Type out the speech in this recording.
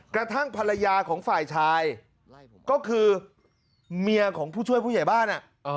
กระทั่งภรรยาของฝ่ายชายก็คือเมียของผู้ช่วยผู้ใหญ่บ้าน